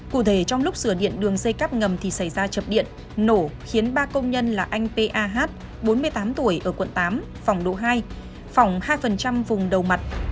cụ thể trong lúc sửa điện đường dây cáp ngầm thì xảy ra chập điện nổ khiến ba công nhân là anh pah bốn mươi tám tuổi ở quận tám phòng độ hai phỏng hai vùng đầu mặt